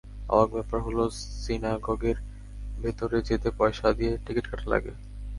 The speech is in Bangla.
অবাক ব্যাপার হলো সিনাগগের ভেতরে যেতে পয়সা দিয়ে টিকিট কাটা লাগে।